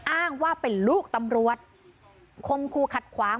อ้างว่าเป็นลูกตำรวจคมคู่ขัดขวาง